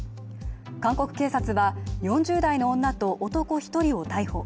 韓国警察は４０代の女のと男１人を逮捕。